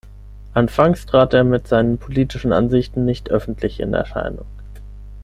Anfangs trat er mit seinen politischen Ansichten nicht öffentlich in Erscheinung.